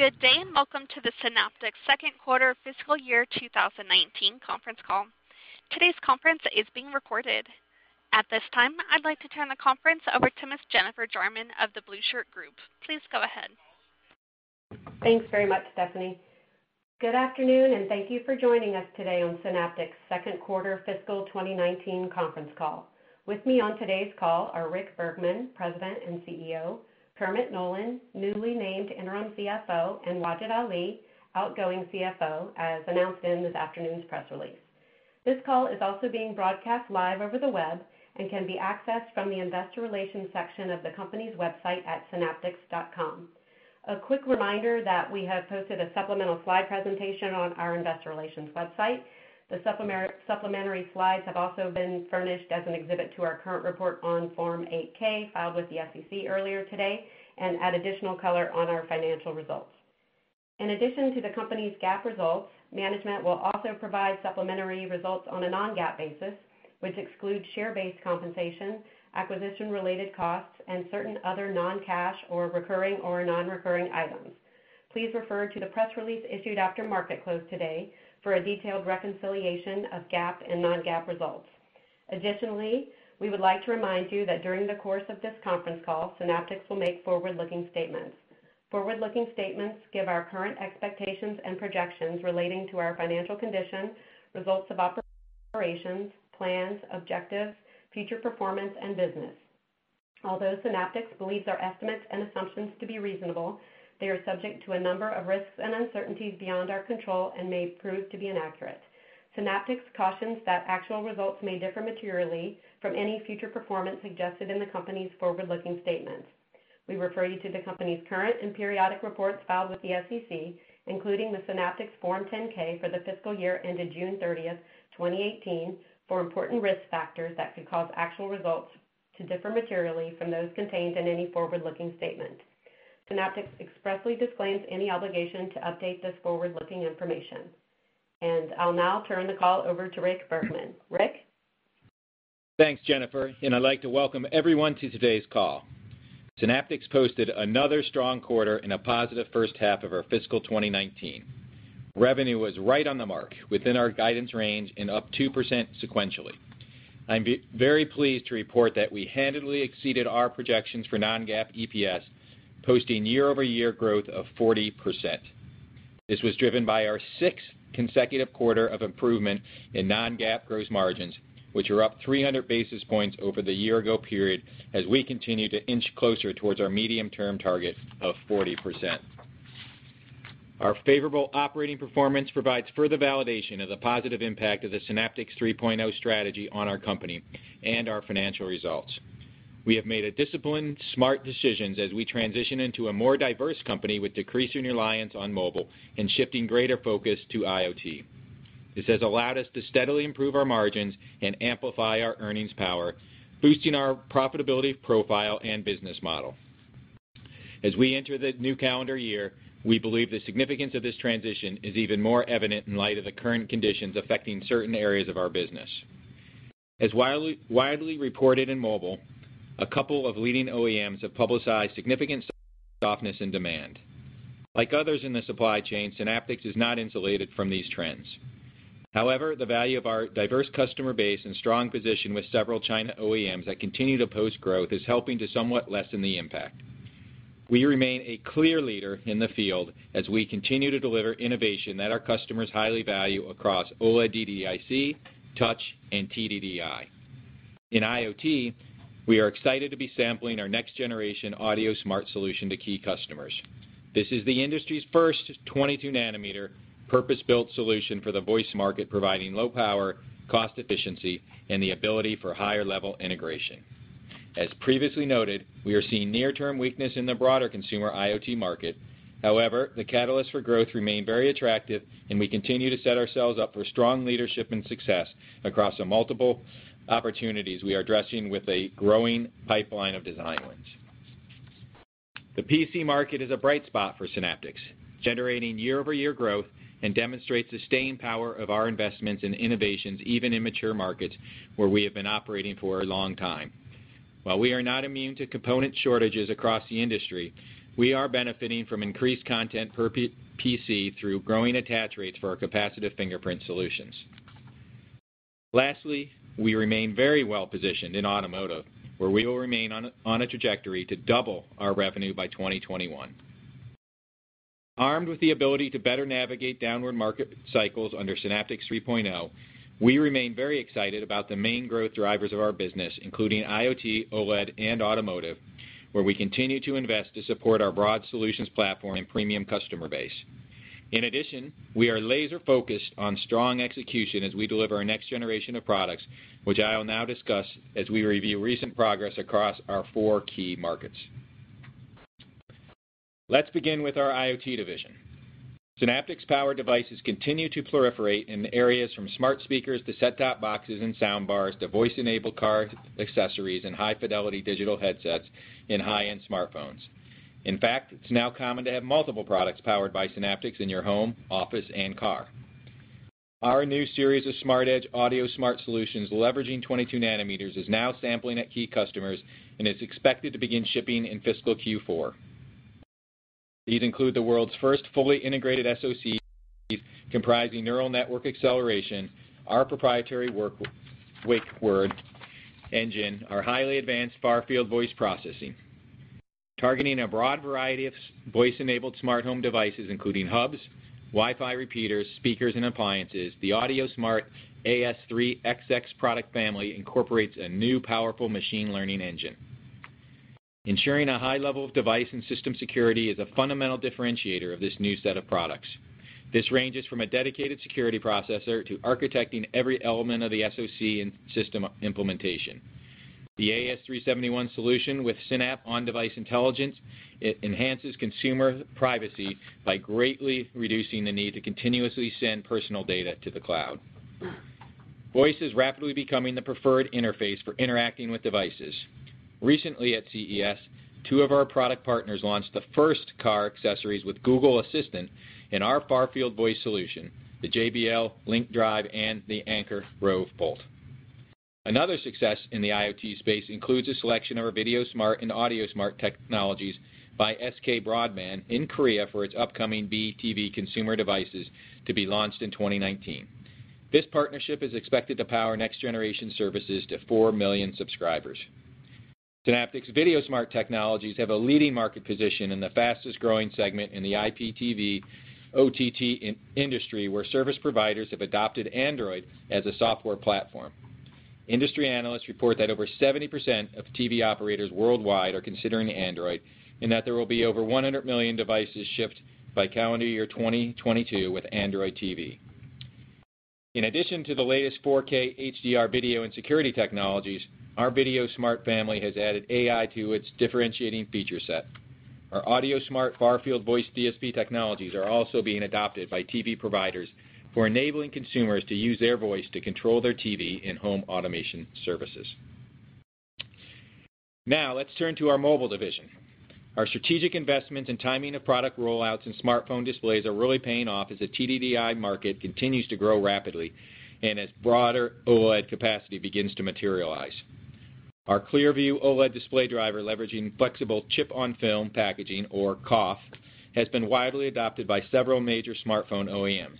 Good day. Welcome to the Synaptics second quarter fiscal year 2019 conference call. Today's conference is being recorded. At this time, I'd like to turn the conference over to Ms. Jennifer Jarman of The Blueshirt Group. Please go ahead. Thanks very much, Stephanie. Good afternoon. Thank you for joining us today on Synaptics' second quarter fiscal 2019 conference call. With me on today's call are Rick Bergman, President and CEO, Kermit Nolan, newly named interim CFO, and Wajid Ali, outgoing CFO, as announced in this afternoon's press release. This call is also being broadcast live over the web and can be accessed from the investor relations section of the company's website at synaptics.com. A quick reminder that we have posted a supplemental slide presentation on our investor relations website. The supplementary slides have also been furnished as an exhibit to our current report on Form 8-K, filed with the SEC earlier today, add additional color on our financial results. In addition to the company's GAAP results, management will also provide supplementary results on a non-GAAP basis, which excludes share-based compensation, acquisition-related costs, and certain other non-cash or recurring or non-recurring items. Please refer to the press release issued after market close today for a detailed reconciliation of GAAP and non-GAAP results. We would like to remind you that during the course of this conference call, Synaptics will make forward-looking statements. Forward-looking statements give our current expectations and projections relating to our financial condition, results of operations, plans, objectives, future performance, and business. Although Synaptics believes our estimates and assumptions to be reasonable, they are subject to a number of risks and uncertainties beyond our control and may prove to be inaccurate. Synaptics cautions that actual results may differ materially from any future performance suggested in the company's forward-looking statements. We refer you to the company's current and periodic reports filed with the SEC, including the Synaptics Form 10-K for the fiscal year ended June 30th, 2018, for important risk factors that could cause actual results to differ materially from those contained in any forward-looking statement. Synaptics expressly disclaims any obligation to update this forward-looking information. I'll now turn the call over to Rick Bergman. Rick? Thanks, Jennifer. I'd like to welcome everyone to today's call. Synaptics posted another strong quarter and a positive first half of our fiscal 2019. Revenue was right on the mark, within our guidance range and up 2% sequentially. I'm very pleased to report that we handily exceeded our projections for non-GAAP EPS, posting year-over-year growth of 40%. This was driven by our sixth consecutive quarter of improvement in non-GAAP gross margins, which are up 300 basis points over the year-ago period, as we continue to inch closer towards our medium-term target of 40%. Our favorable operating performance provides further validation of the positive impact of the Synaptics 3.0 strategy on our company and our financial results. We have made disciplined, smart decisions as we transition into a more diverse company with decreasing reliance on mobile and shifting greater focus to IoT. This has allowed us to steadily improve our margins and amplify our earnings power, boosting our profitability profile and business model. As we enter the new calendar year, we believe the significance of this transition is even more evident in light of the current conditions affecting certain areas of our business. As widely reported in mobile, a couple of leading OEMs have publicized significant softness in demand. Like others in the supply chain, Synaptics is not insulated from these trends. However, the value of our diverse customer base and strong position with several China OEMs that continue to post growth is helping to somewhat lessen the impact. We remain a clear leader in the field as we continue to deliver innovation that our customers highly value across OLED DDIC, touch, and TDDI. In IoT, we are excited to be sampling our next-generation AudioSmart solution to key customers. This is the industry's first 22-nanometer purpose-built solution for the voice market, providing low power, cost efficiency, and the ability for higher-level integration. As previously noted, we are seeing near-term weakness in the broader consumer IoT market. The catalysts for growth remain very attractive, and we continue to set ourselves up for strong leadership and success across the multiple opportunities we are addressing with a growing pipeline of design wins. The PC market is a bright spot for Synaptics, generating year-over-year growth and demonstrates the staying power of our investments in innovations even in mature markets where we have been operating for a long time. While we are not immune to component shortages across the industry, we are benefiting from increased content per PC through growing attach rates for our capacitive fingerprint solutions. Lastly, we remain very well-positioned in automotive, where we will remain on a trajectory to double our revenue by 2021. Armed with the ability to better navigate downward market cycles under Synaptics 3.0, we remain very excited about the main growth drivers of our business, including IoT, OLED, and automotive, where we continue to invest to support our broad solutions platform and premium customer base. In addition, we are laser-focused on strong execution as we deliver our next generation of products, which I will now discuss as we review recent progress across our four key markets. Let's begin with our IoT division. Synaptics-powered devices continue to proliferate in areas from smart speakers to set-top boxes and sound bars, to voice-enabled car accessories and high-fidelity digital headsets in high-end smartphones. In fact, it is now common to have multiple products powered by Synaptics in your home, office, and car. Our new series of Smart Edge AudioSmart solutions leveraging 22 nanometers is now sampling at key customers and is expected to begin shipping in fiscal Q4. These include the world's first fully integrated SOCs, comprising neural network acceleration, our proprietary wake word engine, our highly advanced far-field voice processing. Targeting a broad variety of voice-enabled smart home devices, including hubs, Wi-Fi repeaters, speakers, and appliances, the AudioSmart AS3xx product family incorporates a new powerful machine learning engine. Ensuring a high level of device and system security is a fundamental differentiator of this new set of products. This ranges from a dedicated security processor to architecting every element of the SOC and system implementation. The AS371 solution with SyNAP on-device intelligence, it enhances consumer privacy by greatly reducing the need to continuously send personal data to the cloud. Voice is rapidly becoming the preferred interface for interacting with devices. Recently at CES, two of our product partners launched the first car accessories with Google Assistant and our far-field voice solution, the JBL Link Drive and the Anker Roav Bolt. Another success in the IoT space includes a selection of our VideoSmart and AudioSmart technologies by SK Broadband in Korea for its upcoming B tv consumer devices to be launched in 2019. This partnership is expected to power next-generation services to four million subscribers. Synaptics VideoSmart technologies have a leading market position in the fastest-growing segment in the IPTV OTT industry, where service providers have adopted Android as a software platform. Industry analysts report that over 70% of TV operators worldwide are considering Android and that there will be over 100 million devices shipped by calendar year 2022 with Android TV. In addition to the latest 4K HDR video and security technologies, our VideoSmart family has added AI to its differentiating feature set. Our AudioSmart far-field voice DSP technologies are also being adopted by TV providers for enabling consumers to use their voice to control their TV and home automation services. Let's turn to our mobile division. Our strategic investments and timing of product rollouts and smartphone displays are really paying off as the TDDI market continues to grow rapidly and as broader OLED capacity begins to materialize. Our ClearView OLED display driver leveraging flexible chip-on-film packaging, or COF, has been widely adopted by several major smartphone OEMs.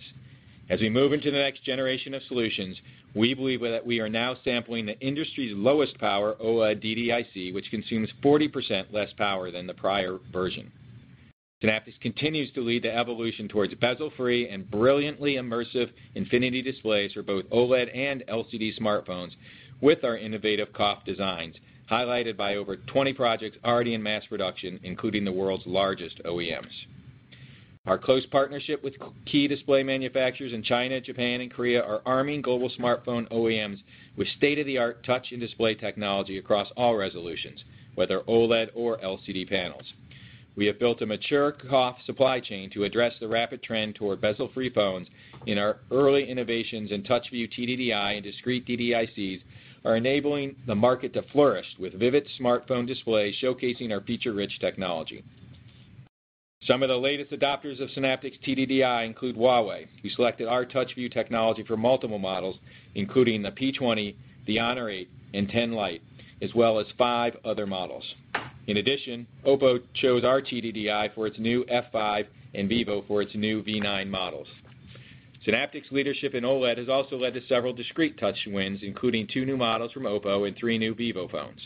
As we move into the next generation of solutions, we believe that we are now sampling the industry's lowest power OLED DDIC, which consumes 40% less power than the prior version. Synaptics continues to lead the evolution towards bezel-free and brilliantly immersive infinity displays for both OLED and LCD smartphones with our innovative COF designs, highlighted by over 20 projects already in mass production, including the world's largest OEMs. Our close partnership with key display manufacturers in China, Japan, and Korea are arming global smartphone OEMs with state-of-the-art touch and display technology across all resolutions, whether OLED or LCD panels. We have built a mature COF supply chain to address the rapid trend toward bezel-free phones in our early innovations in TouchView TDDI and discrete DDICs are enabling the market to flourish with vivid smartphone displays showcasing our feature-rich technology. Some of the latest adopters of Synaptics TDDI include Huawei, who selected our TouchView technology for multiple models, including the P20, the Honor 8, and 10 Lite, as well as five other models. Oppo chose our TDDI for its new F5 and Vivo for its new V9 models. Synaptics' leadership in OLED has also led to several discrete touch wins, including two new models from Oppo and three new Vivo phones.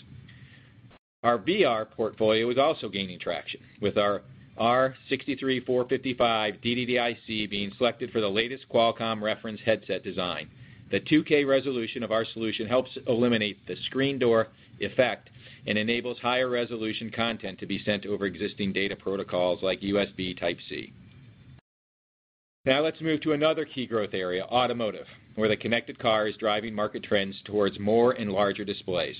Our VR portfolio is also gaining traction with our R63455 DDIC being selected for the latest Qualcomm reference headset design. The 2K resolution of our solution helps eliminate the screen door effect and enables higher resolution content to be sent over existing data protocols like USB Type-C. Now let's move to another key growth area, automotive, where the connected car is driving market trends towards more and larger displays.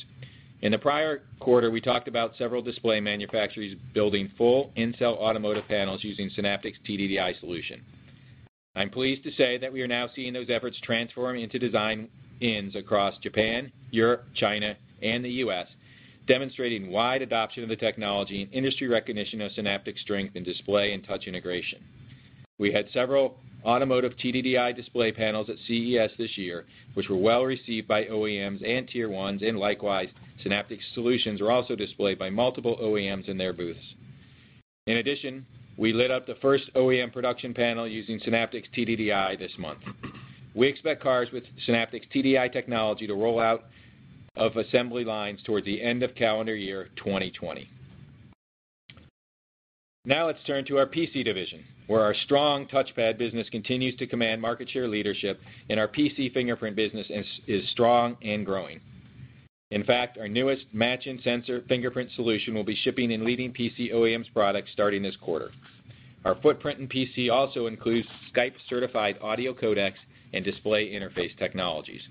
In the prior quarter, we talked about several display manufacturers building full in-cell automotive panels using Synaptics TDDI solution. I'm pleased to say that we are now seeing those efforts transforming into design wins across Japan, Europe, China, and the U.S., demonstrating wide adoption of the technology and industry recognition of Synaptics' strength in display and touch integration. We had several automotive TDDI display panels at CES this year, which were well-received by OEMs and tier 1s, and likewise, Synaptics solutions were also displayed by multiple OEMs in their booths. We lit up the first OEM production panel using Synaptics TDDI this month. We expect cars with Synaptics TDDI technology to roll out of assembly lines toward the end of calendar year 2020. Now let's turn to our PC division, where our strong touchpad business continues to command market share leadership and our PC fingerprint business is strong and growing. Our newest match-in-sensor fingerprint solution will be shipping in leading PC OEMs products starting this quarter. Our footprint in PC also includes Skype-certified audio codecs and display interface technologies.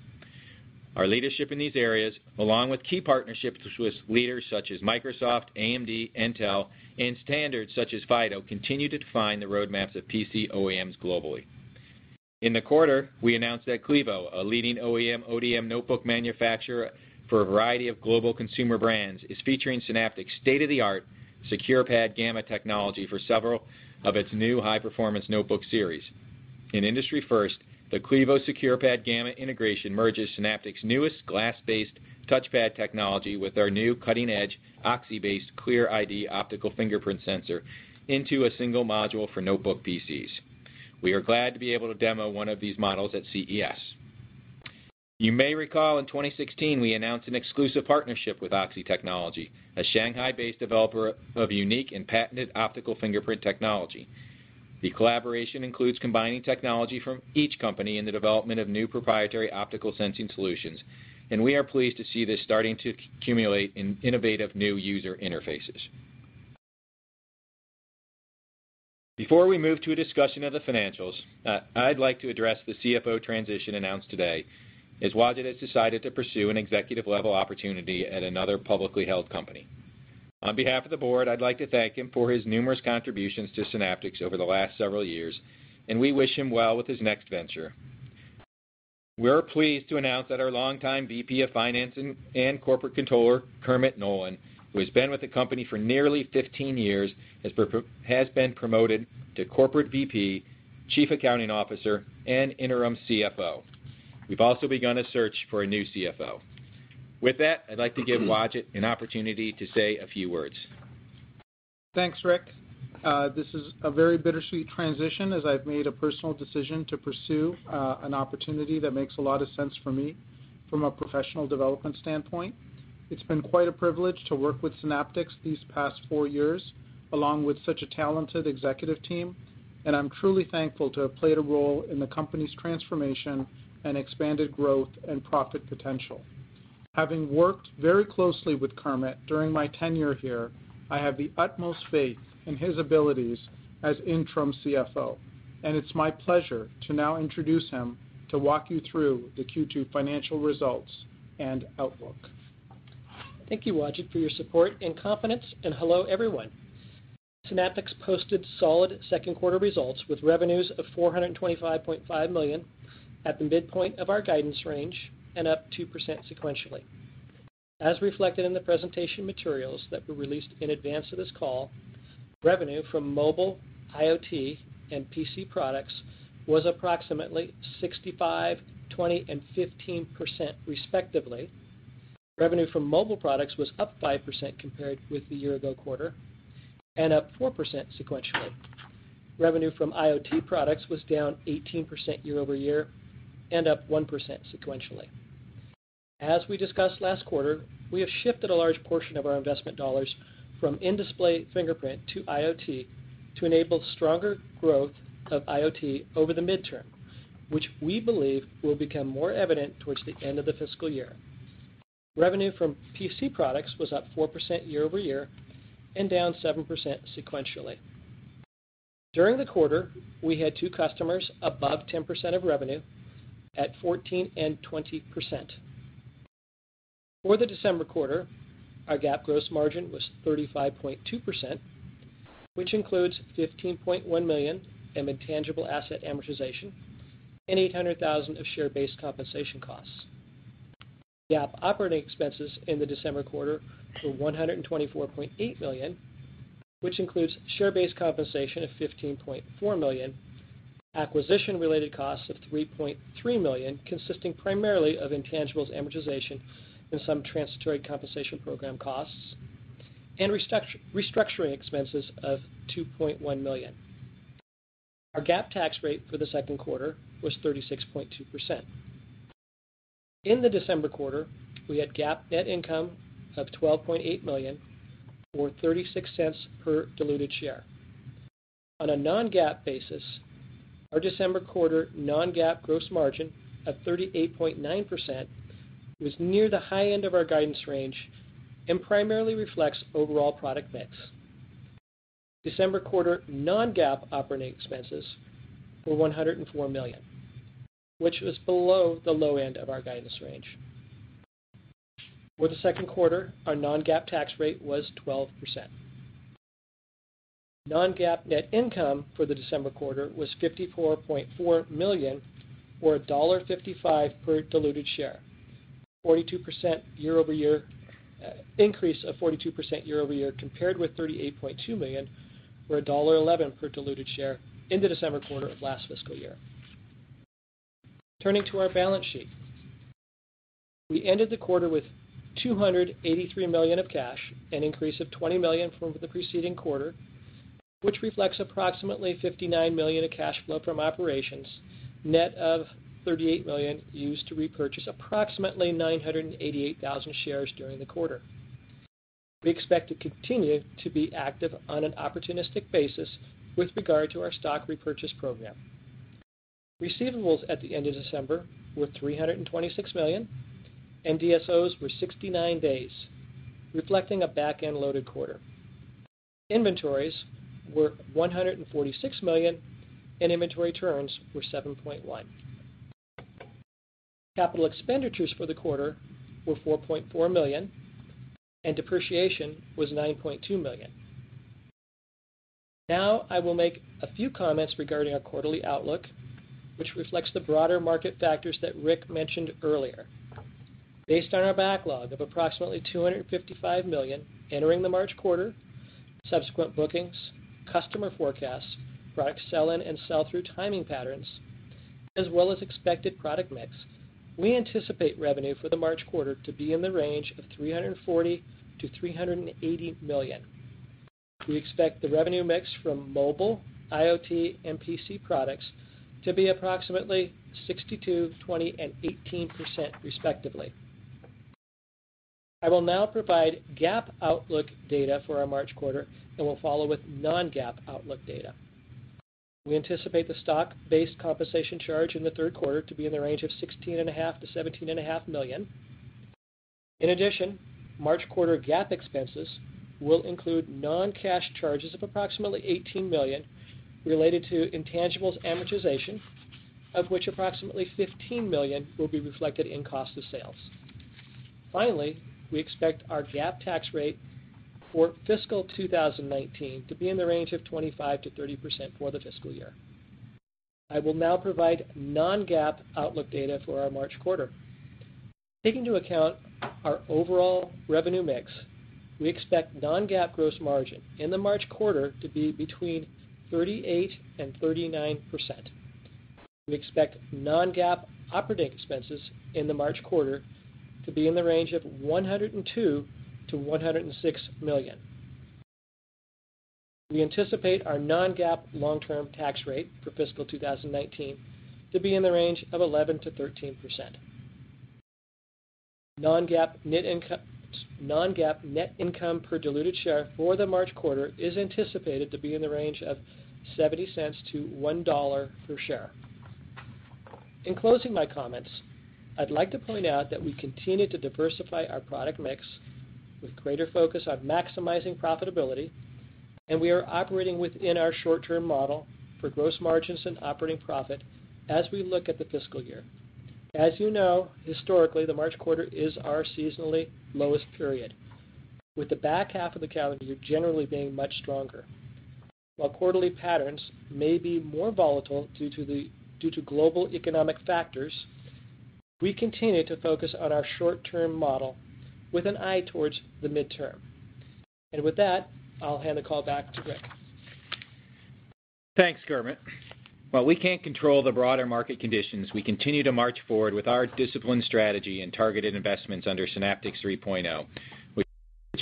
Our leadership in these areas, along with key partnerships with leaders such as Microsoft, AMD, Intel, and standards such as FIDO, continue to define the roadmaps of PC OEMs globally. We announced that Clevo, a leading OEM ODM notebook manufacturer for a variety of global consumer brands, is featuring Synaptics' state-of-the-art SecurePad Gamma technology for several of its new high-performance notebook series. An industry first, the Clevo SecurePad Gamma integration merges Synaptics' newest glass-based touchpad technology with our new cutting-edge, OXi-based Clear ID optical fingerprint sensor into a single module for notebook PCs. We are glad to be able to demo one of these models at CES. You may recall in 2016, we announced an exclusive partnership with OXi Technology, a Shanghai-based developer of unique and patented optical fingerprint technology. The collaboration includes combining technology from each company in the development of new proprietary optical sensing solutions, and we are pleased to see this starting to accumulate in innovative new user interfaces. Before we move to a discussion of the financials, I'd like to address the CFO transition announced today, as Wajid has decided to pursue an executive-level opportunity at another publicly held company. On behalf of the board, I'd like to thank him for his numerous contributions to Synaptics over the last several years, and we wish him well with his next venture. We're pleased to announce that our longtime VP of Finance and Corporate Controller, Kermit Nolan, who has been with the company for nearly 15 years, has been promoted to Corporate VP, Chief Accounting Officer, and Interim CFO. We've also begun a search for a new CFO. With that, I'd like to give Wajid an opportunity to say a few words. Thanks, Rick. This is a very bittersweet transition, as I've made a personal decision to pursue an opportunity that makes a lot of sense for me from a professional development standpoint. It's been quite a privilege to work with Synaptics these past four years, along with such a talented executive team, and I'm truly thankful to have played a role in the company's transformation and expanded growth and profit potential. Having worked very closely with Kermit during my tenure here, I have the utmost faith in his abilities as Interim CFO, and it's my pleasure to now introduce him to walk you through the Q2 financial results and outlook. Thank you, Wajid, for your support and confidence. Hello, everyone. Synaptics posted solid second quarter results with revenues of $425.5 million at the midpoint of our guidance range and up 2% sequentially. As reflected in the presentation materials that were released in advance of this call, revenue from mobile, IoT, and PC products was approximately 65%, 20%, and 15% respectively. Revenue from mobile products was up 5% compared with the year-ago quarter and up 4% sequentially. Revenue from IoT products was down 18% year-over-year and up 1% sequentially. As we discussed last quarter, we have shifted a large portion of our investment dollars from in-display fingerprint to IoT to enable stronger growth of IoT over the midterm, which we believe will become more evident towards the end of the fiscal year. Revenue from PC products was up 4% year-over-year and down 7% sequentially. During the quarter, we had two customers above 10% of revenue at 14% and 20%. For the December quarter, our GAAP gross margin was 35.2%, which includes $15.1 million in intangible asset amortization and $800,000 of share-based compensation costs. GAAP operating expenses in the December quarter were $124.8 million, which includes share-based compensation of $15.4 million, acquisition-related costs of $3.3 million, consisting primarily of intangibles amortization and some transitory compensation program costs, and restructuring expenses of $2.1 million. Our GAAP tax rate for the second quarter was 36.2%. In the December quarter, we had GAAP net income of $12.8 million or $0.36 per diluted share. On a non-GAAP basis, our December quarter non-GAAP gross margin of 38.9% was near the high end of our guidance range and primarily reflects overall product mix. December quarter non-GAAP operating expenses were $104 million, which was below the low end of our guidance range. For the second quarter, our non-GAAP tax rate was 12%. Non-GAAP net income for the December quarter was $54.4 million, or $1.55 per diluted share, an increase of 42% year-over-year compared with $38.2 million, or $1.11 per diluted share in the December quarter of last fiscal year. Turning to our balance sheet. We ended the quarter with $283 million of cash, an increase of $20 million from the preceding quarter, which reflects approximately $59 million of cash flow from operations, net of $38 million used to repurchase approximately 988,000 shares during the quarter. We expect to continue to be active on an opportunistic basis with regard to our stock repurchase program. Receivables at the end of December were $326 million, and DSOs were 69 days, reflecting a back-end loaded quarter. Inventories were $146 million, and inventory turns were 7.1. Capital expenditures for the quarter were $4.4 million, and depreciation was $9.2 million. I will make a few comments regarding our quarterly outlook, which reflects the broader market factors that Rick mentioned earlier. Based on our backlog of approximately $255 million entering the March quarter, subsequent bookings, customer forecasts, product sell-in and sell-through timing patterns, as well as expected product mix, we anticipate revenue for the March quarter to be in the range of $340 million to $380 million. We expect the revenue mix from mobile, IoT, and PC products to be approximately 62%, 20%, and 18%, respectively. I will now provide GAAP outlook data for our March quarter and will follow with non-GAAP outlook data. We anticipate the stock-based compensation charge in the third quarter to be in the range of $16.5 million to $17.5 million. In addition, March quarter GAAP expenses will include non-cash charges of approximately $18 million related to intangibles amortization, of which approximately $15 million will be reflected in cost of sales. Finally, we expect our GAAP tax rate for fiscal 2019 to be in the range of 25%-30% for the fiscal year. I will now provide non-GAAP outlook data for our March quarter. Taking into account our overall revenue mix, we expect non-GAAP gross margin in the March quarter to be between 38% and 39%. We expect non-GAAP operating expenses in the March quarter to be in the range of $102 million to $106 million. We anticipate our non-GAAP long-term tax rate for fiscal 2019 to be in the range of 11%-13%. Non-GAAP net income per diluted share for the March quarter is anticipated to be in the range of $0.70 to $1 per share. In closing my comments, I'd like to point out that we continue to diversify our product mix with greater focus on maximizing profitability. We are operating within our short-term model for gross margins and operating profit as we look at the fiscal year. As you know, historically, the March quarter is our seasonally lowest period, with the back half of the calendar year generally being much stronger. While quarterly patterns may be more volatile due to global economic factors, we continue to focus on our short-term model with an eye towards the midterm. With that, I'll hand the call back to Rick. Thanks, Kermit. While we can't control the broader market conditions, we continue to march forward with our disciplined strategy and targeted investments under Synaptics 3.0, which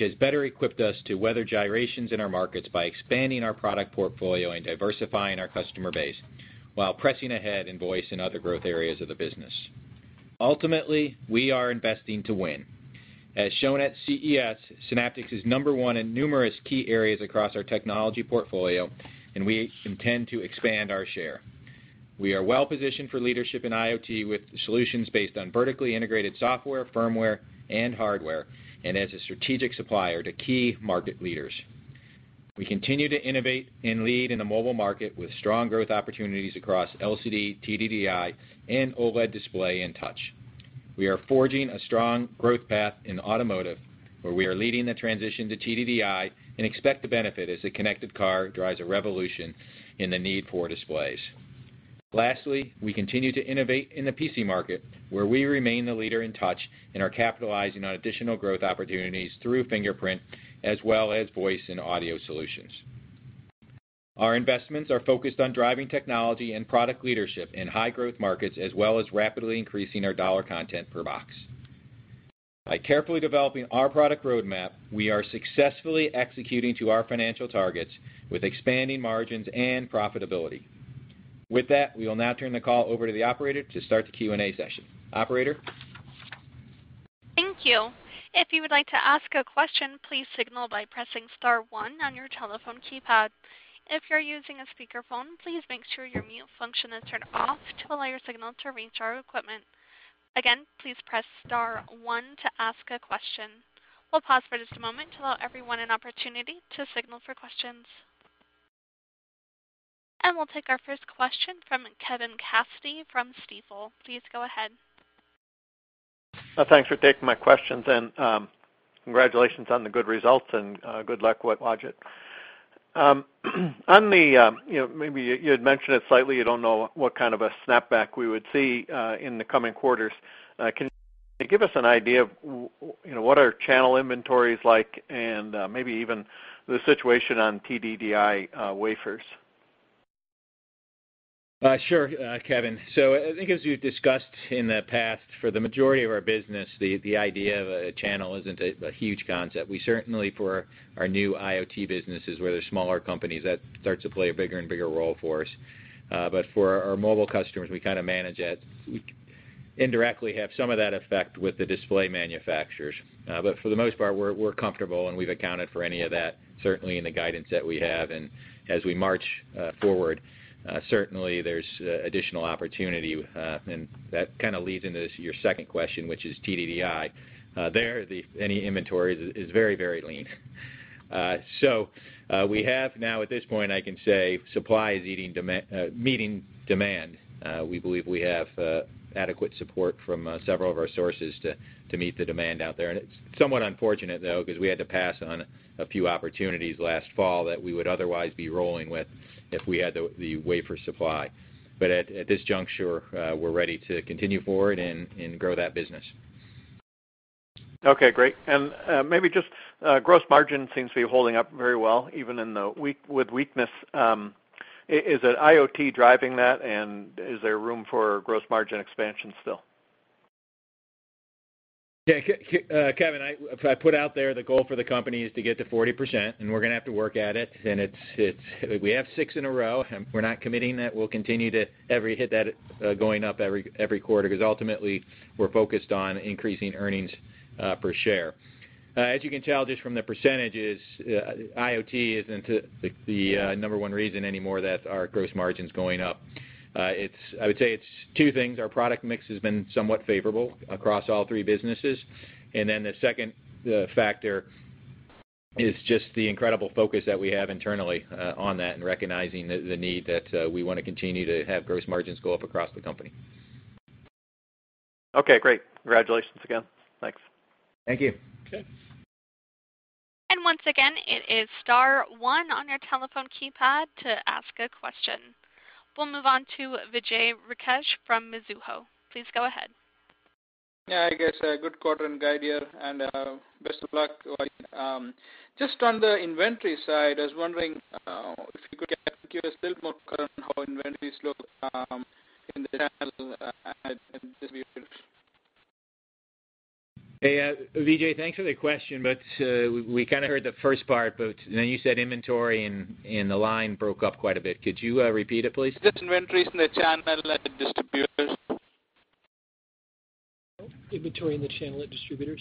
has better equipped us to weather gyrations in our markets by expanding our product portfolio and diversifying our customer base, while pressing ahead in voice and other growth areas of the business. Ultimately, we are investing to win. As shown at CES, Synaptics is number one in numerous key areas across our technology portfolio, and we intend to expand our share. We are well-positioned for leadership in IoT with solutions based on vertically integrated software, firmware, and hardware, and as a strategic supplier to key market leaders. We continue to innovate and lead in the mobile market with strong growth opportunities across LCD, TDDI, and OLED display and touch. We are forging a strong growth path in automotive, where we are leading the transition to TDDI and expect to benefit as the connected car drives a revolution in the need for displays. Lastly, we continue to innovate in the PC market, where we remain the leader in touch and are capitalizing on additional growth opportunities through fingerprint as well as voice and audio solutions. Our investments are focused on driving technology and product leadership in high-growth markets, as well as rapidly increasing our dollar content per box. By carefully developing our product roadmap, we are successfully executing to our financial targets with expanding margins and profitability. With that, we will now turn the call over to the operator to start the Q&A session. Operator? Thank you. If you would like to ask a question, please signal by pressing star one on your telephone keypad. If you're using a speakerphone, please make sure your mute function is turned off to allow your signal to reach our equipment. Again, please press star one to ask a question. We'll pause for just a moment to allow everyone an opportunity to signal for questions. We'll take our first question from Kevin Cassidy from Stifel. Please go ahead. Thanks for taking my questions. Congratulations on the good results, and good luck with Wajid. Maybe you had mentioned it slightly, you don't know what kind of a snapback we would see in the coming quarters. Can you give us an idea of what are channel inventories like, and maybe even the situation on TDDI wafers? Sure, Kevin. I think as we've discussed in the past, for the majority of our business, the idea of a channel isn't a huge concept. Certainly for our new IoT businesses where they're smaller companies, that starts to play a bigger and bigger role for us. For our mobile customers, we kind of manage it. We indirectly have some of that effect with the display manufacturers. For the most part, we're comfortable, and we've accounted for any of that certainly in the guidance that we have. As we march forward, certainly there's additional opportunity. That kind of leads into your second question, which is TDDI. There, any inventory is very lean. We have now at this point, I can say supply is meeting demand. We believe we have adequate support from several of our sources to meet the demand out there. It's somewhat unfortunate, though, because we had to pass on a few opportunities last fall that we would otherwise be rolling with if we had the wafer supply. At this juncture, we're ready to continue forward and grow that business. Okay, great. Maybe just gross margin seems to be holding up very well, even with weakness. Is IoT driving that, and is there room for gross margin expansion still? Yeah. Kevin, I put out there the goal for the company is to get to 40%, we're going to have to work at it, we have six in a row, we're not committing that we'll continue to hit that going up every quarter, because ultimately, we're focused on increasing earnings per share. As you can tell just from the percentages, IoT isn't the number 1 reason anymore that our gross margin's going up. I would say it's two things. Our product mix has been somewhat favorable across all three businesses, then the second factor is just the incredible focus that we have internally on that and recognizing the need that we want to continue to have gross margins go up across the company. Okay, great. Congratulations again. Thanks. Thank you. Okay. Once again, it is star one on your telephone keypad to ask a question. We'll move on to Vijay Rakesh from Mizuho. Please go ahead. I guess, good quarter and good year, and best of luck. Just on the inventory side, I was wondering if you could give us a little more color on how inventories look in the channel and distributors. Hey, Vijay. Thanks for the question, but we kind of heard the first part, but then you said inventory and the line broke up quite a bit. Could you repeat it, please? Just inventories in the channel at the distributors. Inventory in the channel at distributors.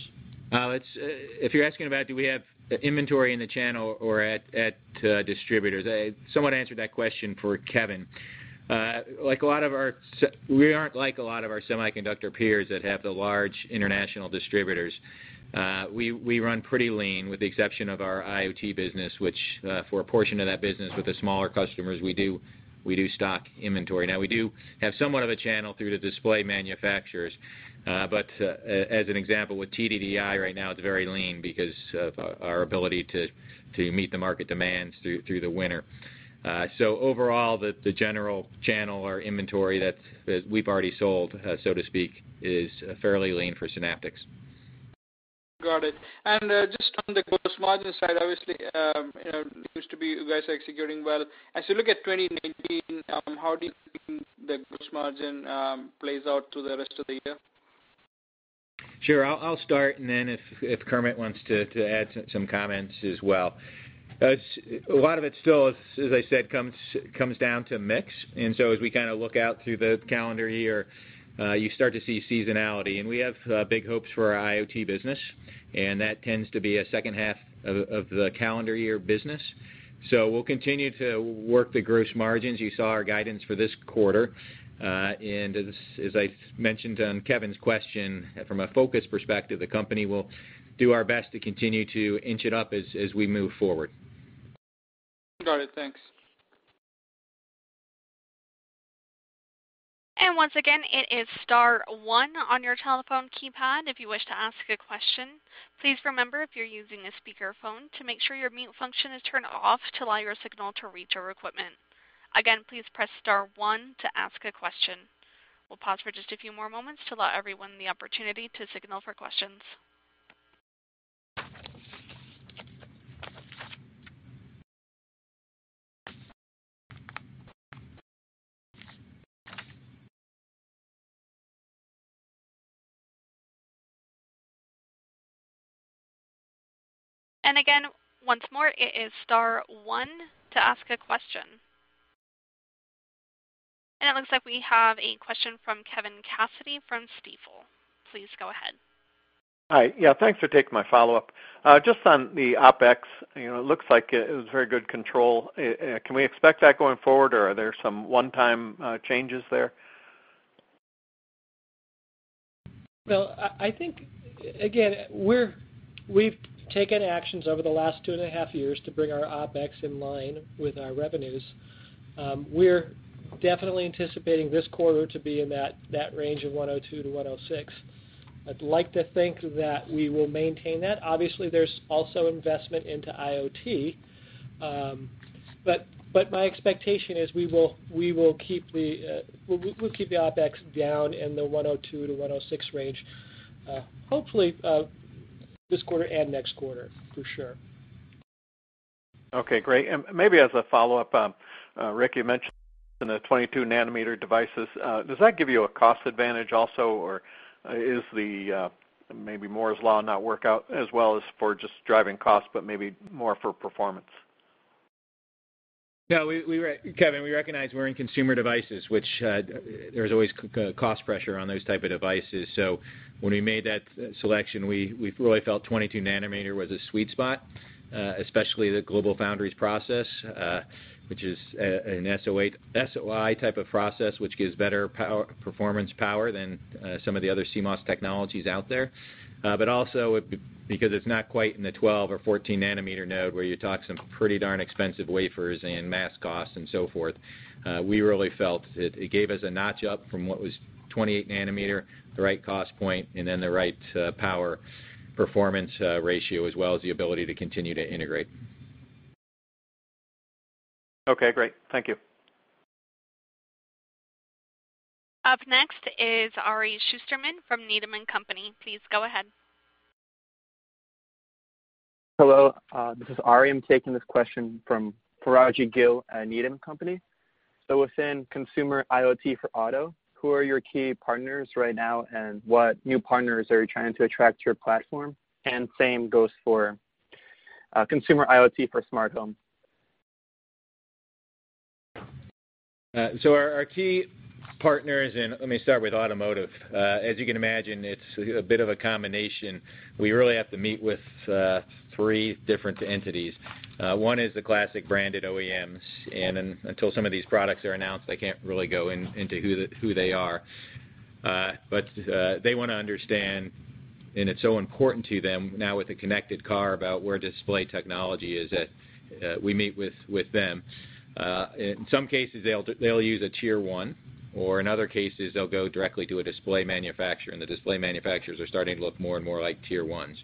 If you're asking about do we have inventory in the channel or at distributors, someone answered that question for Kevin. We aren't like a lot of our semiconductor peers that have the large international distributors. We run pretty lean, with the exception of our IoT business, which for a portion of that business with the smaller customers, we do stock inventory. Now we do have somewhat of a channel through the display manufacturers. As an example with TDDI right now, it's very lean because of our ability to meet the market demands through the winter. Overall, the general channel or inventory that we've already sold, so to speak, is fairly lean for Synaptics. Got it. Just on the gross margin side, obviously, you guys are executing well. As you look at 2019, how do you think the gross margin plays out through the rest of the year? Sure. I'll start, then if Kermit wants to add some comments as well. A lot of it still, as I said, comes down to mix, so as we kind of look out through the calendar year, you start to see seasonality. We have big hopes for our IoT business, and that tends to be a second half of the calendar year business. We'll continue to work the gross margins. You saw our guidance for this quarter. As I mentioned on Kevin's question, from a focus perspective, the company will do our best to continue to inch it up as we move forward. Got it. Thanks. Once again, it is star one on your telephone keypad if you wish to ask a question. Please remember if you're using a speakerphone to make sure your mute function is turned off to allow your signal to reach our equipment. Again, please press star one to ask a question. We'll pause for just a few more moments to allow everyone the opportunity to signal for questions. Again, once more, it is star one to ask a question. It looks like we have a question from Kevin Cassidy from Stifel. Please go ahead. Hi. Yeah, thanks for taking my follow-up. Just on the OpEx, it looks like it was very good control. Can we expect that going forward, or are there some one-time changes there? Well, I think, again, we've taken actions over the last two and a half years to bring our OpEx in line with our revenues. We're definitely anticipating this quarter to be in that range of 102-106. I'd like to think that we will maintain that. Obviously, there's also investment into IoT. My expectation is we'll keep the OpEx down in the 102-106 range, hopefully this quarter and next quarter for sure. Okay, great. Maybe as a follow-up, Rick, you mentioned the 22-nanometer devices. Does that give you a cost advantage also, or is Moore's Law not work out as well as for just driving cost but maybe more for performance? No, Kevin, we recognize we're in consumer devices, which there's always cost pressure on those type of devices. When we made that selection, we really felt 22-nanometer was a sweet spot, especially the GlobalFoundries process which is an SOI type of process, which gives better performance power than some of the other CMOS technologies out there. Also because it's not quite in the 12-nanometer or 14-nanometer node where you talk some pretty darn expensive wafers and mask costs and so forth. We really felt it gave us a notch up from what was 28-nanometer, the right cost point, and the right power performance ratio, as well as the ability to continue to integrate. Okay, great. Thank you. Up next is Ari Shusterman from Needham & Company. Please go ahead. Hello, this is Ari. I'm taking this question from Rajvindra Gill at Needham & Company. Within consumer IoT for auto, who are your key partners right now, and what new partners are you trying to attract to your platform? Same goes for consumer IoT for smart home. Our key partners, and let me start with automotive. As you can imagine, it's a bit of a combination. We really have to meet with three different entities. One is the classic branded OEMs, and until some of these products are announced, I can't really go into who they are. They want to understand, and it's so important to them now with the connected car about where display technology is, that we meet with them. In some cases, they'll use a Tier 1, or in other cases, they'll go directly to a display manufacturer, and the display manufacturers are starting to look more and more like Tier 1s.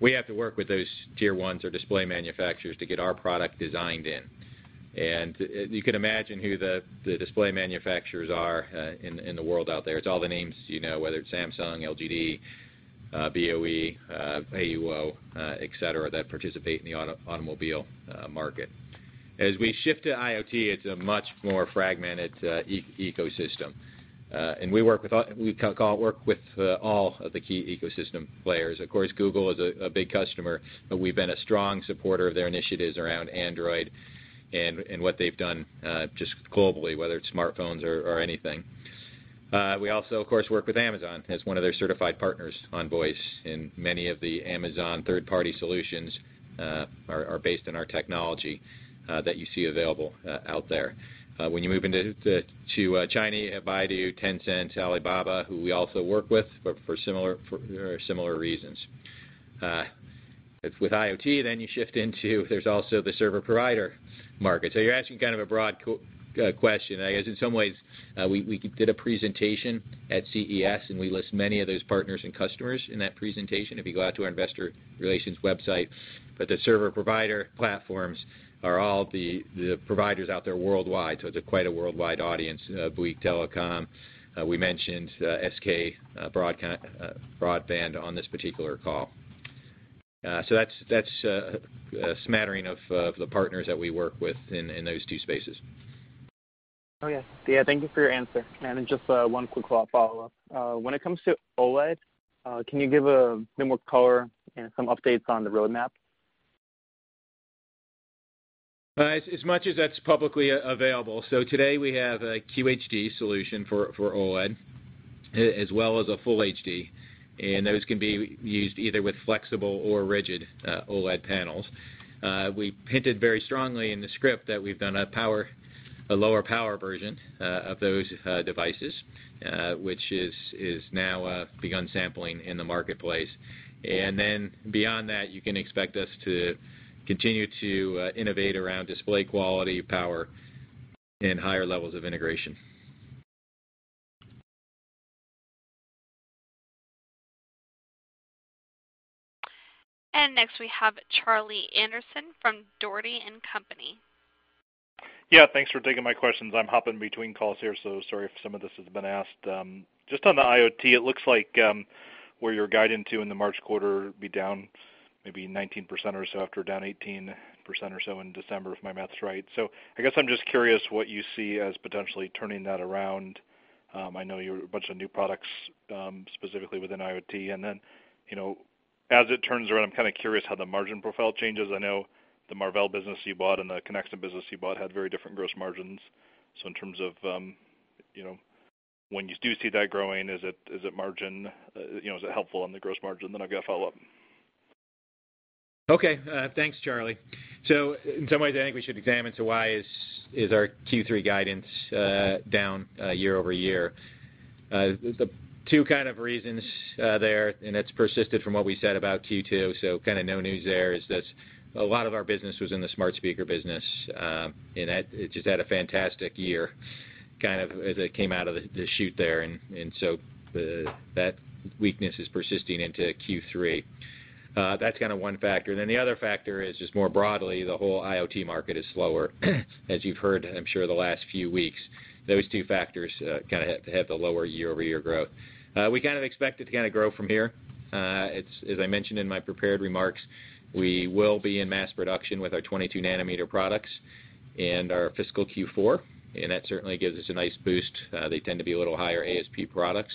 We have to work with those Tier 1s or display manufacturers to get our product designed in. You can imagine who the display manufacturers are in the world out there. It's all the names you know, whether it's Samsung, LGD, BOE, AUO, et cetera, that participate in the automobile market. As we shift to IoT, it's a much more fragmented ecosystem. We work with all of the key ecosystem players. Of course, Google is a big customer, but we've been a strong supporter of their initiatives around Android and what they've done just globally, whether it's smartphones or anything. We also, of course, work with Amazon as one of their certified partners on Voice, and many of the Amazon third-party solutions are based on our technology that you see available out there. When you move into China, Baidu, Tencent, Alibaba, who we also work with, but for very similar reasons. With IoT, you shift into, there's also the server provider market. You're asking kind of a broad question. I guess in some ways, we did a presentation at CES, we list many of those partners and customers in that presentation if you go out to our investor relations website. The server provider platforms are all the providers out there worldwide, so they're quite a worldwide audience, Bouygues Telecom. We mentioned SK Broadband on this particular call. That's a smattering of the partners that we work with in those two spaces. Yeah. Thank you for your answer. Just one quick follow-up. When it comes to OLED, can you give a bit more color and some updates on the roadmap? As much as that's publicly available. Today we have a QHD solution for OLED, as well as a full HD, those can be used either with flexible or rigid OLED panels. We hinted very strongly in the script that we've done a lower power version of those devices, which has now begun sampling in the marketplace. Beyond that, you can expect us to continue to innovate around display quality, power, and higher levels of integration. next we have Charlie Anderson from Dougherty & Company. Yeah, thanks for taking my questions. I'm hopping between calls here, so sorry if some of this has been asked. Just on the IoT, it looks like where you're guiding to in the March quarter will be down maybe 19% or so, after down 18% or so in December, if my math's right. I guess I'm just curious what you see as potentially turning that around. I know you have a bunch of new products specifically within IoT. As it turns around, I'm kind of curious how the margin profile changes. I know the Marvell business you bought and the Conexant business you bought had very different gross margins. In terms of when you do see that growing, is it helpful on the gross margin? I've got a follow-up. Okay, thanks, Charlie. In some ways, I think we should examine, why is our Q3 guidance down year-over-year? The two kind of reasons there, and it's persisted from what we said about Q2, so kind of no news there, is that a lot of our business was in the smart speaker business, and it just had a fantastic year, kind of came out of the chute there. That weakness is persisting into Q3. That's kind of one factor. The other factor is just more broadly, the whole IoT market is slower, as you've heard, I'm sure, the last few weeks. Those two factors have the lower year-over-year growth. We kind of expect it to grow from here. As I mentioned in my prepared remarks, we will be in mass production with our 22 nanometer products in our fiscal Q4, and that certainly gives us a nice boost. They tend to be a little higher ASP products.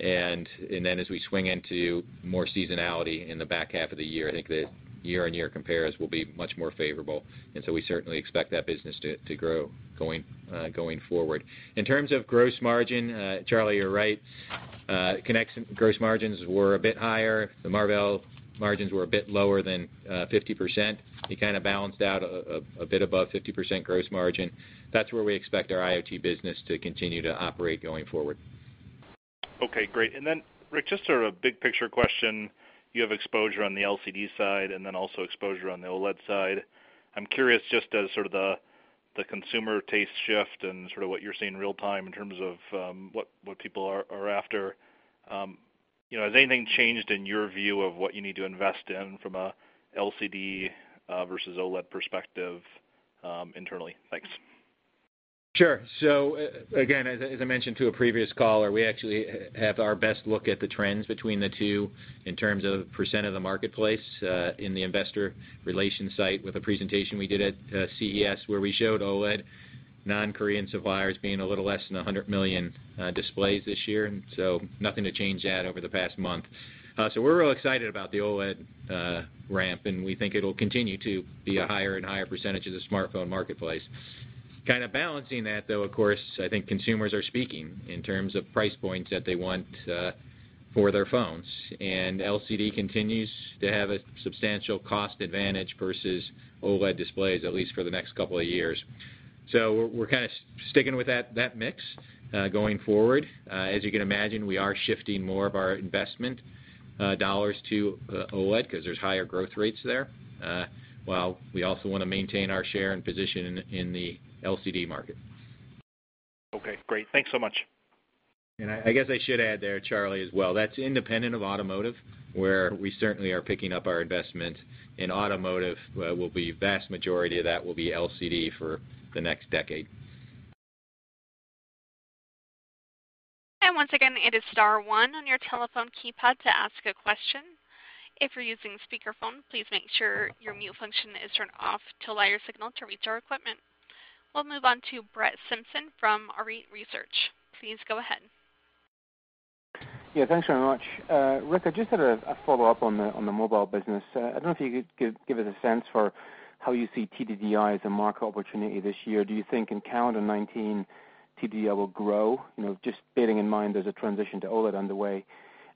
As we swing into more seasonality in the back half of the year, I think the year-over-year compares will be much more favorable. We certainly expect that business to grow going forward. In terms of gross margin, Charlie, you're right. Conexant gross margins were a bit higher. The Marvell margins were a bit lower than 50%. They kind of balanced out a bit above 50% gross margin. That's where we expect our IoT business to continue to operate going forward. Okay, great. Rick, just sort of a big-picture question. You have exposure on the LCD side and then also exposure on the OLED side. I'm curious just as sort of the consumer tastes shift and sort of what you're seeing real time in terms of what people are after, has anything changed in your view of what you need to invest in from a LCD versus OLED perspective? Internally. Thanks. Sure. Again, as I mentioned to a previous caller, we actually have our best look at the trends between the two in terms of % of the marketplace, in the investor relations site with a presentation we did at CES, where we showed OLED non-Korean suppliers being a little less than $100 million displays this year. Nothing to change that over the past month. We're real excited about the OLED ramp, and we think it'll continue to be a higher and higher percentage of the smartphone marketplace. Kind of balancing that, though, of course, I think consumers are speaking in terms of price points that they want for their phones. LCD continues to have a substantial cost advantage versus OLED displays, at least for the next couple of years. We're kind of sticking with that mix going forward. As you can imagine, we are shifting more of our investment dollars to OLED because there's higher growth rates there, while we also want to maintain our share and position in the LCD market. Okay, great. Thanks so much. I guess I should add there, Charlie, as well, that's independent of automotive, where we certainly are picking up our investment in automotive, where the vast majority of that will be LCD for the next decade. Once again, it is star one on your telephone keypad to ask a question. If you're using speakerphone, please make sure your mute function is turned off to allow your signal to reach our equipment. We will move on to Brett Simpson from Arete Research. Please go ahead. Thanks very much. Rick, I just had a follow-up on the mobile business. I don't know if you could give us a sense for how you see TDDI as a market opportunity this year. Do you think in calendar 2019 TDDI will grow? Just bearing in mind there's a transition to OLED underway.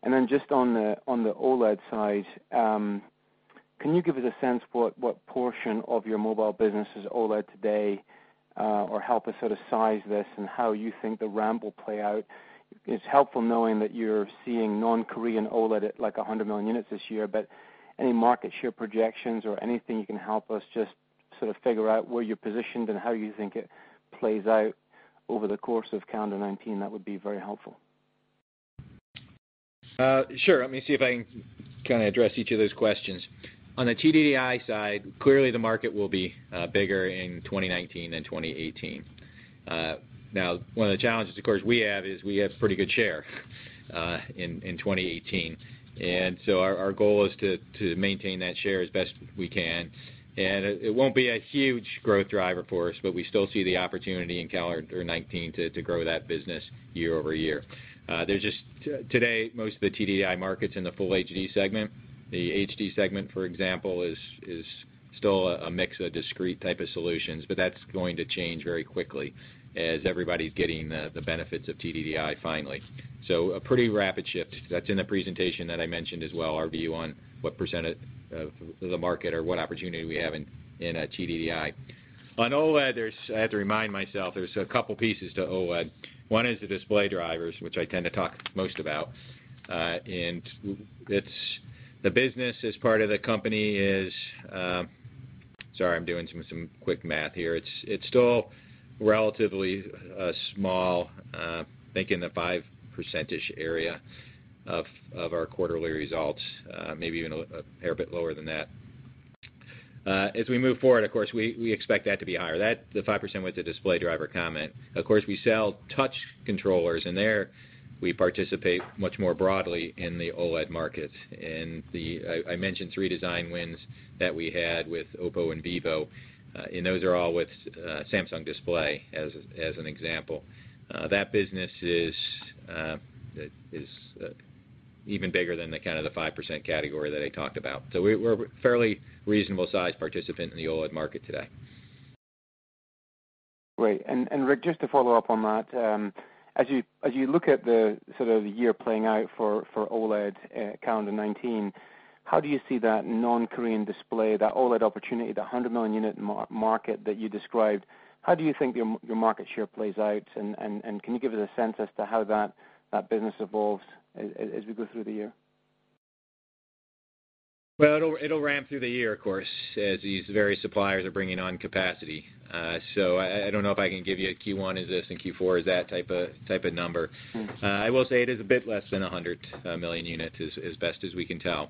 Then just on the OLED side, can you give us a sense for what portion of your mobile business is OLED today? Help us sort of size this and how you think the ramp will play out. It's helpful knowing that you're seeing non-Korean OLED at like 100 million units this year, any market share projections or anything you can help us just sort of figure out where you're positioned and how you think it plays out over the course of calendar 2019, that would be very helpful. Sure. Let me see if I can kind of address each of those questions. On the TDDI side, clearly the market will be bigger in 2019 than 2018. One of the challenges, of course, we have is we have pretty good share in 2018, and so our goal is to maintain that share as best we can. It won't be a huge growth driver for us, but we still see the opportunity in calendar year 2019 to grow that business year-over-year. Today, most of the TDDI market's in the full HD segment. The HD segment, for example, is still a mix of discrete type of solutions, but that's going to change very quickly as everybody's getting the benefits of TDDI finally. A pretty rapid shift. That's in the presentation that I mentioned as well, our view on what percentage of the market or what opportunity we have in TDDI. On OLED, I have to remind myself there's a couple pieces to OLED. One is the display drivers, which I tend to talk most about. The business as part of the company is, sorry, I'm doing some quick math here. It's still relatively small, think in the 5% area of our quarterly results, maybe even a hair a bit lower than that. As we move forward, of course, we expect that to be higher, the 5% with the display driver comment. Of course, we sell touch controllers, there we participate much more broadly in the OLED market. I mentioned three design wins that we had with OPPO and Vivo, those are all with Samsung Display as an example. That business is even bigger than the kind of the 5% category that I talked about. We're a fairly reasonable-sized participant in the OLED market today. Great. Rick, just to follow up on that, as you look at the sort of the year playing out for OLED calendar 2019, how do you see that non-Korean display, that OLED opportunity, the 100 million-unit market that you described, how do you think your market share plays out, can you give us a sense as to how that business evolves as we go through the year? Well, it'll ramp through the year, of course, as these various suppliers are bringing on capacity. I don't know if I can give you a Q1 is this and Q4 is that type of number. Sure. I will say it is a bit less than 100 million units, as best as we can tell.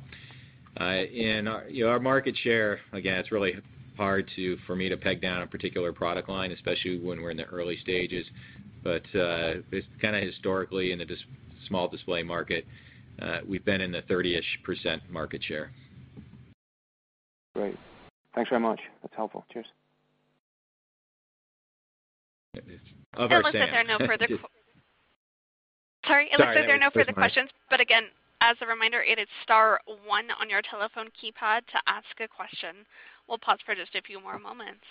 Our market share, again, it's really hard for me to peg down a particular product line, especially when we're in the early stages. It's kind of historically in the small display market, we've been in the 30-ish% market share. Great. Thanks very much. That's helpful. Cheers. Of our SAM. It looks as though there are no further. Sorry. No, go for it There are no further questions. Again, as a reminder, it is star one on your telephone keypad to ask a question. We'll pause for just a few more moments.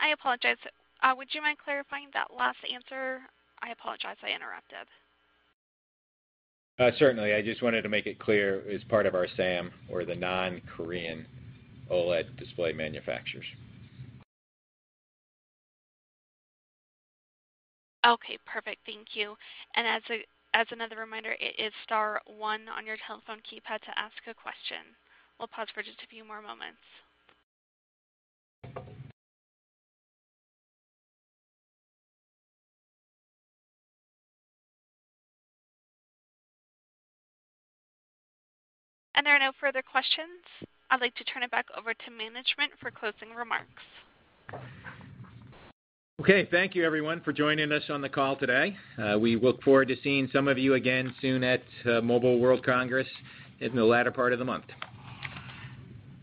I apologize, would you mind clarifying that last answer? I apologize I interrupted. Certainly. I just wanted to make it clear as part of our SAM, we're the non-Korean OLED display manufacturers. Okay, perfect. Thank you. As another reminder, it is star one on your telephone keypad to ask a question. We'll pause for just a few more moments. There are no further questions. I'd like to turn it back over to management for closing remarks. Okay. Thank you everyone for joining us on the call today. We look forward to seeing some of you again soon at Mobile World Congress in the latter part of the month.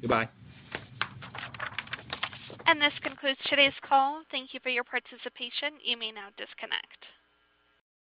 Goodbye. This concludes today's call. Thank you for your participation. You may now disconnect.